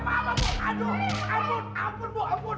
kalau bayi itu aku jual